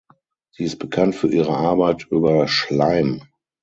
Sie ist bekannt für ihre Arbeit über Schleim.